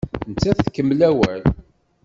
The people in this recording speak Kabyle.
Nettat tkemmel awal.